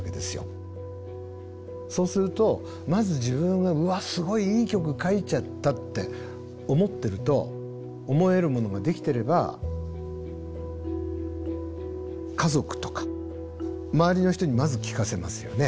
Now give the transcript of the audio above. そうするとまず自分が「うわっすごいいい曲書いちゃった」って思ってると思えるものができてれば家族とか周りの人にまず聴かせますよね。